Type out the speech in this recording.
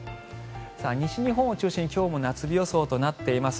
西日本を中心に今日も夏日予想となっています。